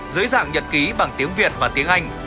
dưới dạng nhật ký bằng tiếng việt và tiếng anh